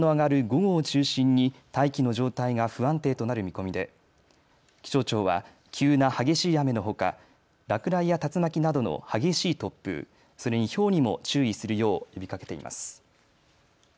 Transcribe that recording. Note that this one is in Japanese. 午後を中心に大気の状態が不安定となる見込みで、気象庁は急な激しい雨のほか落雷や竜巻などの激しい突風、それにひょうにも注意するよう呼びかけています。